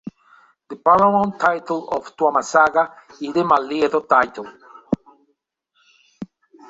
The paramount title of Tuamasaga is the Malietoa title.